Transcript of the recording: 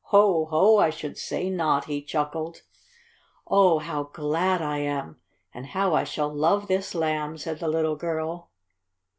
Ho! Ho! I should say not!" he chuckled. "Oh, how glad I am! And how I shall love this Lamb!" said the little girl.